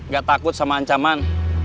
gak takut sama ancaman